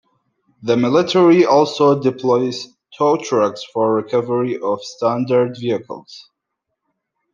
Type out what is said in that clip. The military also deploys tow trucks for recovery of stranded vehicles.